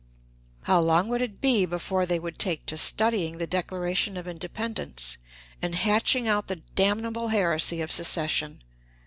How long would it be before they would take to studying the Declaration of Independence, and hatching out the damnable heresy of secession?